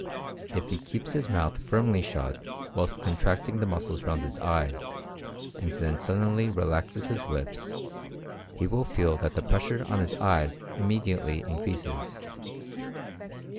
If he keeps his mouth firmly shut whilst contracting the muscles round the eyes, and then suddenly relaxes his lips, he will feel that the pressure on his eyes immediately increases.